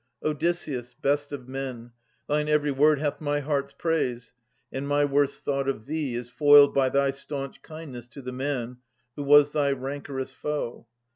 Odysseus, best of men, thine every word Hath my heart's praise, and my worst thought of thee Is foiled by thy staunch kindness to the man Who was thy rancorous foe.